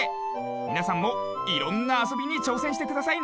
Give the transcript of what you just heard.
みなさんもいろんなあそびにちょうせんしてくださいね。